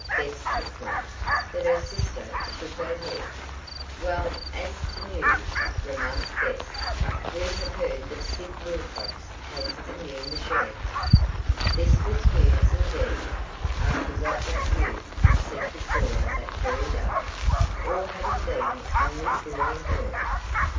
Bess took one, but her sister shook her head. "Well, as to news," remarked Bess, "we have heard that Sid Wilcox has a new machine." This was news indeed, after what that youth had said to Cora that very day. Or had he been only fooling her?